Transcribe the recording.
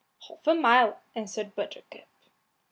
"Half a mile," answered Buttercup.